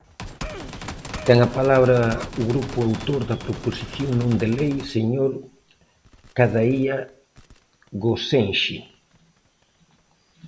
Ten a palabra o grupo autor da proposición non de lei, señor Cadaía Gosenxe.